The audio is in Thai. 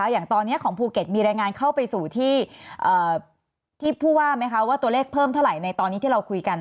อย่างตอนนี้ของภูเก็ตมีแรงงานเข้าไปสู่ที่ผู้ว่าตัวเลขการที่เพิ่มเท่าไหร่ในเรียงคุยกัน